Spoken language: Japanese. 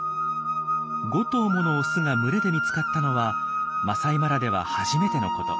５頭ものオスが群れで見つかったのはマサイマラでは初めてのこと。